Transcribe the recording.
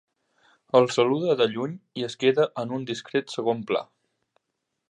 El saluda de lluny i es queda en un discret segon pla.